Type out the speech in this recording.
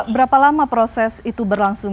berapa lama proses itu berlangsung